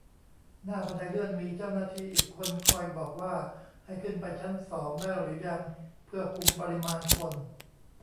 หน้าบันไดเลื่อนมีเจ้าหน้าที่อีกคนคอยบอกว่าให้ขึ้นไปชั้นสองได้หรือยัง เพื่อคุมปริมาณคน